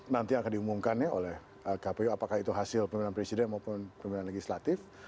nanti yang akan diumumkan ya oleh kpu apakah itu hasil pemilihan presiden maupun pemilihan legislatif